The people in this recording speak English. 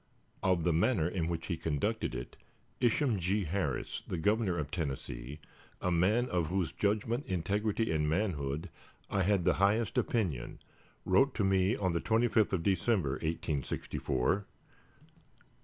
Of the manner in which he conducted it, Isham G. Harris, the Governor of Tennessee, a man of whose judgment, integrity, and manhood I had the highest opinion, wrote to me, on the 25th of December, 1864: "...